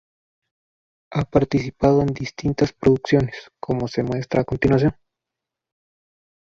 Ha participado en distintas producciones, como se muestra a continuación.